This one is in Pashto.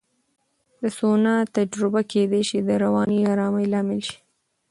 د سونا تجربه کېدای شي د رواني آرامۍ لامل شي.